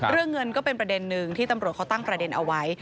เรื่องเงินก็เป็นประเด็นนึงที่ตำรวจเขาตั้งประเด็นเอาไว้